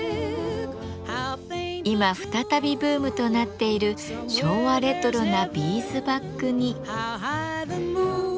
今再びブームとなっている昭和レトロなビーズバッグに。